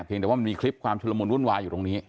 เพียงแต่ว่ามันมีคลิปความชุระมวลรุนวาอยู่ตรงนี้